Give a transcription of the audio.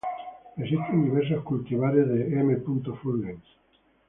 Existen diversos cultivares de "M. fulgens".